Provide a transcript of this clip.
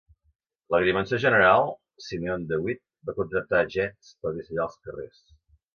L'agrimensor general, Simeon DeWitt va contractar Geddes per dissenyar els carrers.